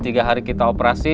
tiga hari kita operasi